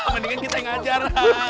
mendingan kita yang ajar